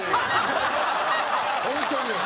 ホントに。